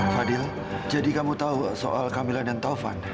fadil jadi kamu tahu soal camilan dan taufan